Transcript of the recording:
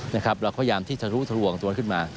เราพยายามที่ทะลุทะลวงตัวขึ้นมา